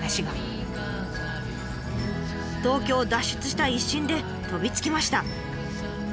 東京を脱出したい一心で飛びつきました。